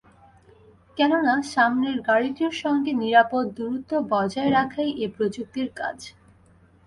কেননা, সামনের গাড়িটির সঙ্গে নিরাপদ দূরত্ব বজায় রাখাই এ প্রযুক্তির কাজ।